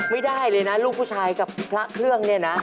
ไม่ได้เลยนะลูกผู้ชายกับพระเครื่องเนี่ยนะ